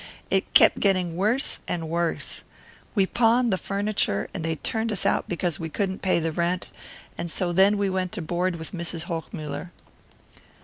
It kept getting worse and worse. We pawned the furniture, and they turned us out because we couldn't pay the rent; and so then we went to board with Mrs. Hochmuller."